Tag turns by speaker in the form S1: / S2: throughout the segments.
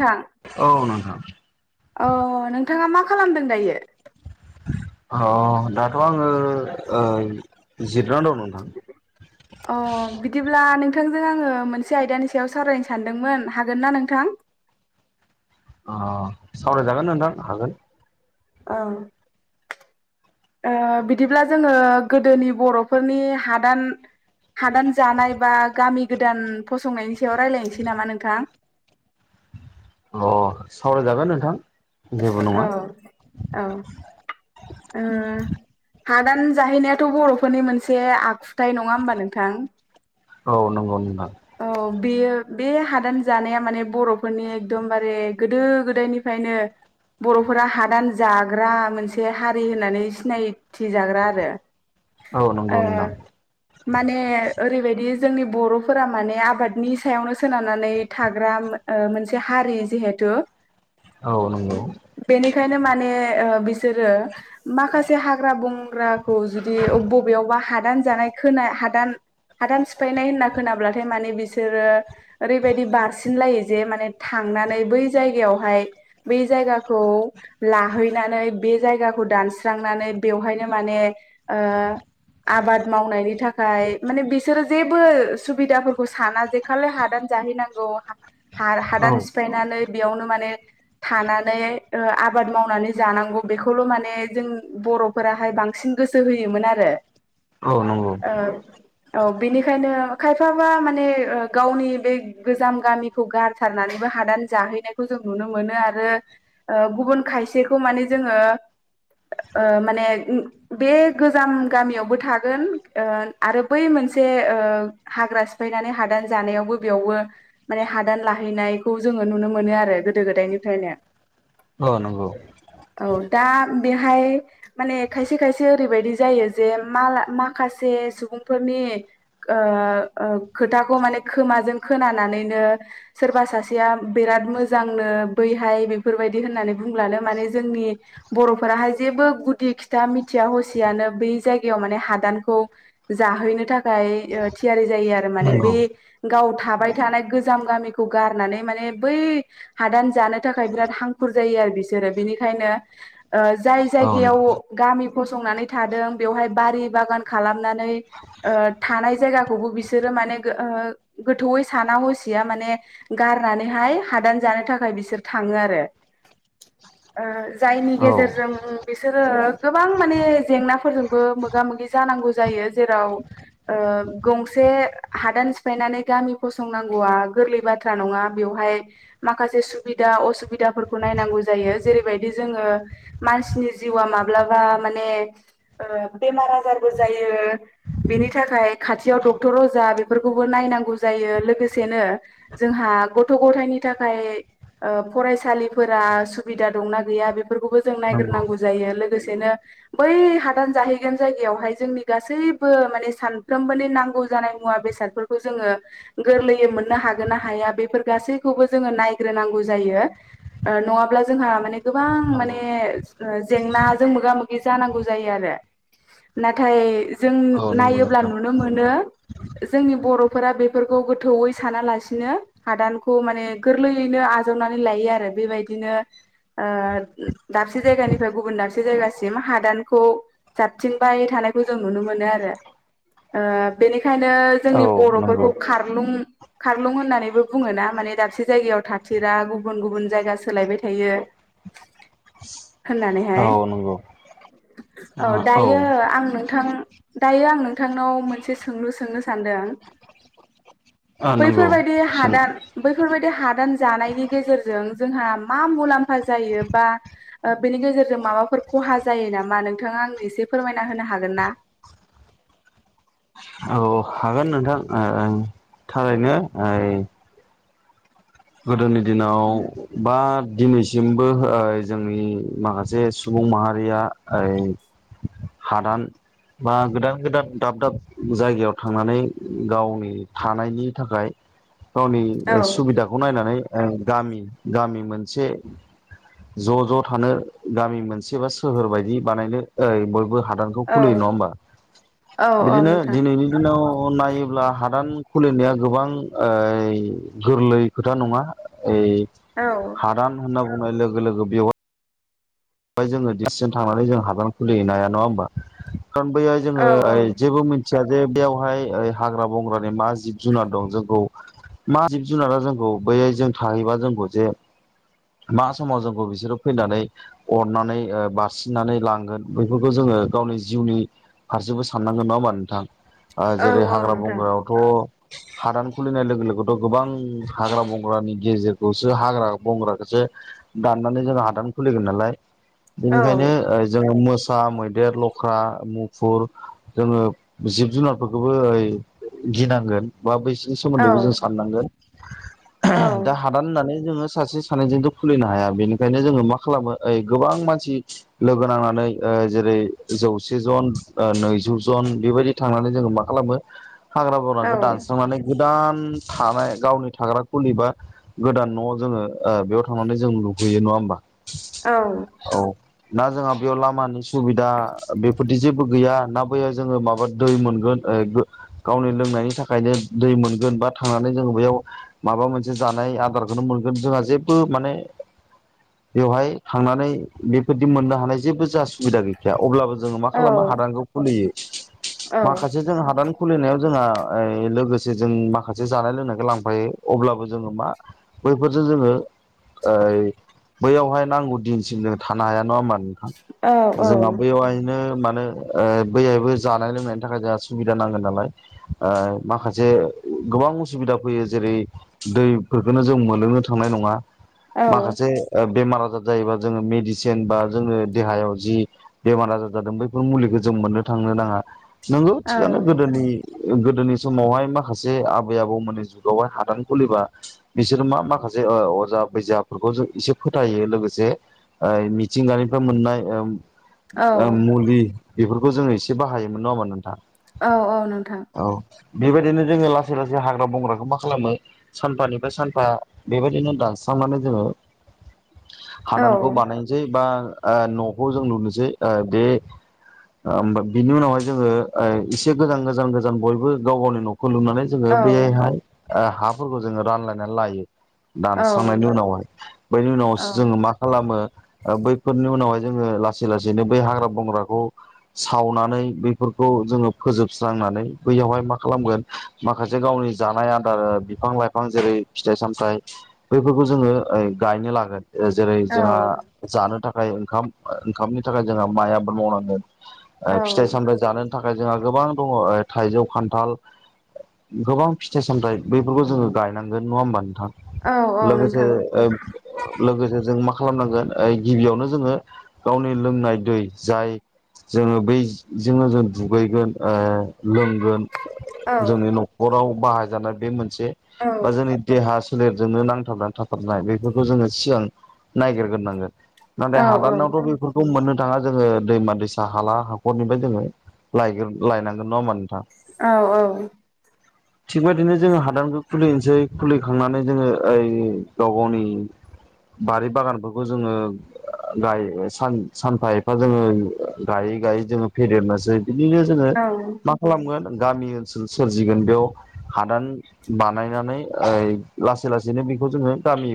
S1: नोंथां
S2: औ नोंथां
S1: अ नोंथाङा मा खालामदों दायो?
S2: अ दाथ' आङो ओ जि
S1: अ बिदिब्ला नों थांजों आङो मोनसे आयदानि सायाव सावरायनो सानदोंमोन हागोन ना नोंथां?
S2: अ सावरायजागोन नोंथां हागोन
S1: ओं ओ बिदिब्ला जोङो गोदोनि बर'फोरनि हादान हादान जानाय बा गामि गोदान फसंनायनि सायाव रायलायनोसै नामा नोंथां
S2: अ सावराय जागोन नोंथां जेबो
S1: औ
S2: नङा
S1: औ आ हादान जाहैनायाथ' बर'फोरनि मोनसे आखुथायाइ नङा होमबा नोंथां
S2: औ नंगौ नोंथां
S1: औ बेयो बे हादान जानाया माने बर'फोरनि एकदमबारे गोदो गोदायनिफ्रायनो बर'फोरा हादान जाग्रा मोनसे हारि होननानै सिनायथि जाग्रा आरो
S2: औ नंगौ नोंथां
S1: माने ओ ओरैबायदि जोंनि बर' फोर माने आबादनि सायावनो सोनारनानै थाग्रा मोनसे हारि जिहेथु
S2: औ नंगौ
S1: बेनिखायनो माने बिसोरो माखासे हाग्रा बंग्राखौ जुदि बबेयावबा हा दान जानाय खोनाय हादान हादान सिफायनाय होना खोनाब्लाथाय माने बिसोरो ओरैबायदि बारसिनलायो जे माने थांनानै बै जायगायाव हाय बै जायगाखौ लाहैनानै बे जायगाखौ दानस्रांनानै बेवहाय नो माने ओ आबाद मावनायनि थाखाय माने बिसोर जेबो सुबिदाफोरखौ साना जे खालि हादान जाहैनांगौ
S2: औ
S1: हादान सिफायनानै बेयावनो माने थानानै आबाद मावनानै जानांगौ बेखौल' माने जों बर'फोराहाय बांसिन गोसो होयोमोन आरो
S2: औ नंगौ
S1: ओ औ बेनिखायनो खायफाबा माने ओ गावनि बे गोजाम गामिखौ गारथारनानैबो हादान जाहैनायखौ जों नुनो मोनो आरो गुबुन खायसेखौ माने जोङो ओ माने बे गोजाम गामियावबो थागोन आरो बै मोन से ओ हाग्रा सिफायनानै हादान जानायावबो बेयावबो माने हादान लाहैनायखौ जोङो नुनो मोनो आरो गोदो गोदायनिफ्रायनो
S2: औ नंगौ
S1: औ दा बेहाय माने खायसे खायसे ओरैबायदि जायो जे माखासे सुबुंफोरनि ओ खोथाखौ माने खोमाजों खोनानानैनो सोरबा सासेया बिराद मोजांनो बैहाय बेफोरबायदि होननानै बुंलानो माने जोंनि बर'फोराहाय जेबो गुदि खिथा मिथिया हसियानो बै जायगायाव माने हादानखौ जाहैनो थाखाय थियारि जायो आरो माने
S2: नंगौ
S1: बे गाव थाबाय थानाय गोजाम गामिखौ गारनानै माने बै हादान जानो थाखाय बिराद हांखुर जायो बिसोरो बिनिखायनो जाय
S2: औ
S1: जायगायाव गामि फंनानै थादों बेयावहाय बारि बागान खालामनानै थानाय जायगा खौबो बिसोर माने गोथौैयै साना हसिया माने गारनानैहाय हादान जाहै जानो थाखाय बिसोर थाङो आरो जायनि गेजेरजों बिसोरो गोबां माने जेंनाफोरजोंबो मोगा मोगि जानांङो जायो जेराव गंसे हादान सिफायनानै गामि फसंनांगौआ गोरलै बाथ्रा नङा बेवहाय माखासे सुबिदा असुबिदाफोरखौ नायनांगौ जायो जेरैबायदि जोङो मानसिनि जिउआ मा माब्लाबा माने बेमार आजारबो जायो बेनि थाखाय खाथियाव डक्टर अजा बेफोरखौबो नायनांगौ जायो लोगोसेनो जोंहा गथ' गथायनि थाखाय फरायसालिफोरा सुबिदा दंना गैया बे फोरखौबो जों
S2: नंगौ
S1: नायग्रोनांगौ जायो लोगोसे नो बै हादान जाहैगोन जायगायावहाय जोंनि गासैबो माने सान साफ्रोमबोनि नांगौ जानाय मुवा बेसादफोरखौ जोङो गोरलैयै मोननो हागोन ना हाया बेफोर गासैखौ खौबो जोङो नायग्रोनांगौ जायो नङाब्ला जोंहा माने गोबां
S2: नंगौ
S1: माने जेंनाजों मोगा मोगि जानांगौ जायो आरो नाथाय जों
S2: औ नंगौ
S1: नायोब्ला
S2: नोंथां
S1: नुनो मोनो जोंनि बर'फोरा बेफोरखौ गोथौयै सानालासिनो हादानखौ माने गोरलैयैनो आजाव जावनानै लायो आरो बेबायदिनो दाबसे जायगानिफ्राय गुबुन दाबसे जायगासिम हादानखौ जाबथिंबाय थानाय खौ जों नुनो मोनो आरो बेनिखायनो
S2: औ
S1: जोंनि
S2: नंगौ
S1: बर'फोरखौ खारलुं खारलुं होननानैबो बुङो ना माने दाबसे जायगायाव थाथिरा गुबुन गुबुन जायगा सोलायबाय थायो
S2: औ
S1: होननानैहाय
S2: नंगौ
S1: औ दायो आं नोंथां दायो आं नोंथां नोंथांनाव मोनसे सोंलु सोंनो सानदों
S2: ओ नंगौ
S1: बैफोरबायदि
S2: सों
S1: हादान बैफोरबायदि हादान जानायनि गेजेरजों जोंहा मा मुलाम्फा जायो बा बेनि गेजेरजों माबाफोर खहा जायो ना नोंथा आंनो एसे फोरमायना होनो हागोन ना
S2: औ हागोन नोंथां थारैनो ओइ गोदोनि दिनाव बा दिनैसिमबो जोंनि माखासे सुबुं माहारिया हादान बा गोदान गोदान दाब दाब जायगायाव थांनानै गावनि थानायनि थाखाय गावनि
S1: औ
S2: सुबिदाखौ नायनानै गामि गामि मोनसे ज' ज' थानो गामि मोनसे बा सोहोर बायदि बानायनो ओइ बयबो हादानखौ
S1: औ
S2: खुलियो नङा होमबा
S1: औ औ
S2: बिदिनो
S1: नोंथां
S2: दिनैनि दिनाव नायोब्ला हादान खुलिनाया गोबां गोरलै खोथा नङा ओइ
S1: औ
S2: हादान होनना बुंनाय लोगो लोगो बेवहाय ओमाय जो दिसिसन थांनानै जों हादान खुलिहैनो हाया नङा होमबा बैया
S1: औ
S2: जोङो जेबो मिथि जे खिया जे बेयावहायओ हाग्रा बंग्रानि मा जिब जुनार दं जोंखौ मा जिब जुनारा जोंखौ बैहाय जों थाहैबा जोंखौ जे मा समाव जोंखौ बिसोरो फैनानै अननानै ओ बासिननानै लांगोन बैफोरखौ जोङो गावनि जिउनि फारसेबो साननांगोन नङा होमबा नोंथां
S1: औ
S2: जेरै
S1: औ
S2: हाग्रा
S1: नोंथां
S2: बंग्रायावथ' हादान खुलिनाय लोगो लोगोथ' गोबां हाग्रा बंग्रानि गेजेरखौसो हाग्रा बंग्राखौसो दाननानै जोंङो हादान खुलिगोन नालाय
S1: औ
S2: बेनिखायनो ओ जोङो मोस सा मैदेर लख्रा मुफुर जोङो जिब जुनारफोरखौबो ओइ गिनांगोन बा बैसोरनि
S1: औ
S2: सोमोन्दैबो जों साननांगोन
S1: औ
S2: दा हादान होननानै जोङो सासे सानैजोंथ' खुलिनो हाया बेनिखायनो जोङो मा खालामो ओइ गोबां मानसि लोगो नांनानै ओ जेरै जौसे जन नैजौ जन अन बेबायदि थांनानै जोङो मा खालामो हाग्रा
S1: औ
S2: बंग्राखौ दानस्रांनानै गुन दान थानाय गावनि थाग्रा खुलि बा गोदान न' जोङो ओ बेयाव थांनानै जों लु लुयो नङा होमबा
S1: औ
S2: औ ना जोंहा बेयाव लामानि सुबिदा बेफोरदि जेबो गैया ना बैयाव जोङो माबा दै मोनगोन ओ गो गावनि लोंनायनि थाखायनो दै मोनगोन बा थांनानै जोङो बैयाव माबा मोनसे जानाय नाय आदारखौनो मोनगोन जोंहा जेबो माने बेवहाय थांनानै बेफोरदि मोननो हानाय जेबो जास बिदा गैखाया अब्लाबो जोङो मा
S1: औ
S2: खालामो हादानखौ खुलियो माखासे जों हादान खुलिनायाव जोंहा ओइ लोगोज से जों माखासे जानाय लोंनायखौ लांफायो अब्लाबो जोङो मा बैफोरजो जोङो ओइ बैयावहाय नांगौ दिनसिमनो थानो हाया नङा होनबा
S1: औ औ
S2: नो जोंहा बैयावहायनो माथ नो ओ बैहायबो जानाय लोंनायनि थाखाय जोंहा सुबिदा नांगोन नालाय ओ माखासे गोबां उसुबिदा फैयो जेरै दैफोरखौनो जों मोनलोंनो थांनाय नङा माखासे ओ बेमार आजार जायोबा जोङो मेडिसिन बा जोंनो देहायाव जि बेमार आजार जादों बैफोर मुलिखो जों मोननो थां मोनाहा नंगौ थिगानो गोदोनि गोदोनि समावहाय माखासे आबै आबौमोननि जुगावहाय हादान खुलिबा बिसोर मा माखा खासे ओ अजा बैजाबफोरखौ जों एसे फोथायो लोगोसे से ओइ मिथिंगानिफ्राय मोननाय ओ ओ मुलि बेफोरखौ जोङो एसे बाहायोमोन नङा होमबा नोंथां
S1: औ औ नोंथां
S2: औ बेबायदिनो जोङो लासै लासै हाग्रा बंग्राखौ मा खालामो सानफानिफ्राय सानफा बेबायदिनो दान्स सांनानै जोङो
S1: [inaudible]
S2: हादानखौ बानायनोसै बा न'खौ जों लुनोसै ओ बे ओमबा बिनि उनावहाय जोङो एसे गोजान गोजान गोजान बयबो गाव गावनि न'खौ खो लुनानै जोङो
S1: औ
S2: बैयायहाय हाफोरखौ जोङो रानलायनानै लायो दानस्रांनायनि उनावहाय बैनि उनाव जोङो मा खालामो ओ बैफोरनि उनावहाय जोङो लासै लासैनो बै हाग्रा बंग्राखौ सावनानै नै बैफोरखौ जोङो फोजोबस्रांनानै बैयावहाय मा खालामगोन माखासे गावनि जानाय आदार ओ बिफां लाइफां जेरै फिथाइ सामथाइ बैफोरखौ जोङो ओइ गायनो लागोन जेरै
S1: औ
S2: जोंहा जानो थाखाय ओंखाम ओंखामनि थाखाय जोंहा माइ आबाद मावनांगोन
S1: औ
S2: ओ फिथाइ सामथाइ जानो थाखाय जोंहा गोबां दङ ओ थाइजौ खान्थाल गोबां फिथाइ सामथाइ बैफोरखौ जोङो गायनांगोन नङा होमबान थां
S1: औ औ
S2: लोगोसेे
S1: नोंथां
S2: ओ लोगोसे जों मा खालामनांगोन ओ गिबियावनो जोङो गावनि लोंनाय दै जाय जोङो बैजोंनो जों दुगैगोन ओ लोंगोन
S1: औ
S2: जोंनि न'खराव बाहायजानाय बे मोन से
S1: औ
S2: बा जोंनि देहा सोलेरजोंनो नांथाबनानै थाथारनाय बेफोरखौ जोङो सिगां नायागिरग्रोनांगोन नाथाय
S1: औ
S2: हादाननावथ' बेफोरखौ मोननो थाङा जोङो दैमा दैसा हाला हाखरनिफ्राय जोङो लायनांगोन नङा होमबा नोंथां
S1: औ औ
S2: थिगबायदिनो जोङो हादानखौ खुलिनोसै खुलिखांनानै जोङो ओइ गाव गावनि बारि बागानफोरखौ जोङो गाय सानफा एफा जोङो गायै गायै जोङो फेदेरनोसै बिदिनो जोङो
S1: औ
S2: मा खालामगोन गामि ओनसोल सोरजिगोन बेयाव हादान बानायनानै लासै लासैनो बेखौ जोङो गामि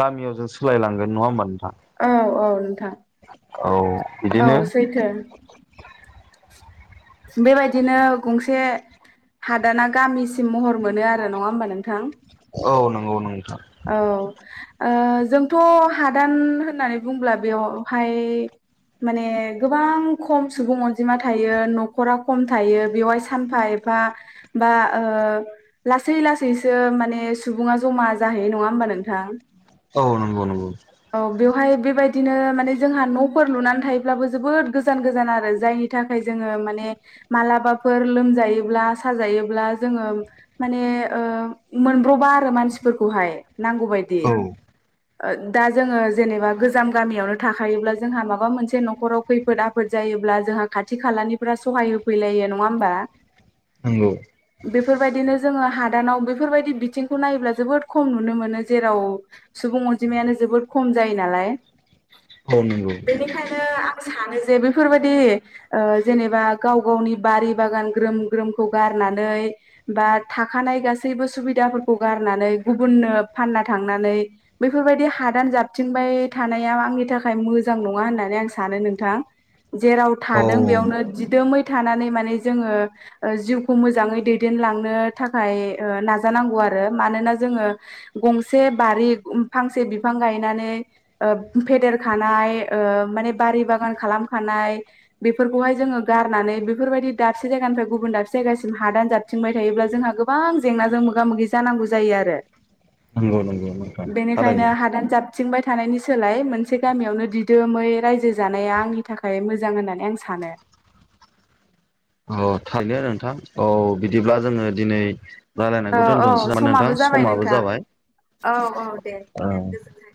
S2: गामियाव जों सोलाय लांगोन नङा होमबा नोंथां।
S1: औ औ नोंथां
S2: औ
S1: औ
S2: बिदिनो
S1: सैथो बेबायदिनो गंसे हादाना गामिसिम महर मोनो आरो नङा होमबा नोंथां
S2: औ नंगौ नोंथां
S1: औ ओ जोंथ' हादान होननानै बुंब्ला बेयावहाय माने गोबां खम सुबुं अनजिमा थायो न' नखरा खम थायो बेवहाय सानफा एफा बा ओ लासै लासैसो माने सुबुङा ज'मा जाहैयो नङा होमबा नोंथां
S2: औ नंगौ नंगौ
S1: औ बेवहाय बेबायदिनो माने जोंहा न'फोर लुनानै थायोब्लाबो जोबोद गोजान गोजान आरो जायनि थाखाय जोङो माने मालाबाफोर लोमजायोब्ला साजायोब्ला जोङो माने माने ओ मोनब्रबा आरो मानसिफोरखौहाय नांगौ बादि
S2: औ
S1: दा जोङो जेनेबा गोजाम गामियावनो थाखायोब्ला जोंहा माबा मोनसे न'खराव खैफोद आफोद जायोब्ला जों जोंहा खाथि खालानिफ्रा सहाय होफैलायो नङा होमबा
S2: नंगौ
S1: बेफोरबायदिनो जोङो हादानाव बेफोरबायदि बिथिंखौ नायोब्ला जोबोद खम नुनो मोनो जेराव सुबुं अनजिमायानो जोबोद खम जायो नालाय
S2: औ नंगौ
S1: बेनिखायनो सानो जे बेफोरबायदि ओ जेनेबा गाव गावनि बारि बागान ग्रोम ग्रोमखौ गार नानै बा थाखानाय गासैबो सुबिदाफोरखौ गारनानै गुबुननो फानना थां नै बैफोर बादि हादान जाबथिंबाय थानाया आंनि थाखाय मोजां नङा होननानै आं सानो नोंथां जेराव
S2: औ
S1: थादों बेयावनो दिदोमै थानानै माने जोङो जिउखौ मोजाङै दैदेनलांनो थाखाय ओ नाजानांगौ आरो आरो मानोना जोङो गंसे बारि फांसे बिफां बिफां गायनानै ओ फेदेरखानाय माने बारि बागान खालामखानाय बेफोरखौहाय जोङो गारनानै बेफोरबायदि दाबसे जायगानिफ्राय गुबुन दाबसे जायगासिम हादान जाबथिंबाय थायोब्ला जोङो जोंहा गोबां जेंनाजों मोगा मोगि जानांगौ जायो आरो
S2: नंगौ नंगौ
S1: बेनिखायनो
S2: थारैनो
S1: हादान जाबथिंबाय थानायनि सोलाय मोनसे गामियावनो दिदोमै रायजो जानाया आंनि थाखाय मोजां होननानै सानो
S2: औ थायो आरो नोंथां औ बिदिब्ला जोङो दिनै
S1: औ
S2: रायलायनायखौ
S1: औ
S2: दोनथ'नोसै ना नोंथां
S1: समाबो जाबाय
S2: समाबो
S1: नोंथां
S2: जाबाय
S1: औ औ दे
S2: ओ
S1: दे गोजोनथों